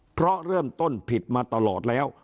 เพราะเริ่มต้นผิดมาตลอดแล้ว